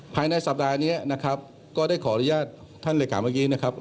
ภายในสัปดาห์นี้นะครับก็ได้ขออนุญาตท่านเลขาเมื่อกี้นะครับ